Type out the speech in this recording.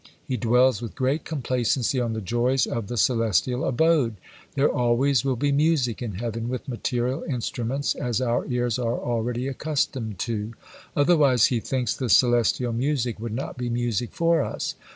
He dwells with great complacency on the joys of the celestial abode; there always will be music in heaven with material instruments as our ears are already accustomed to; otherwise he thinks the celestial music would not be music for us!